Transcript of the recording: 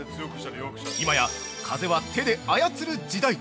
今や風は手で操る時代！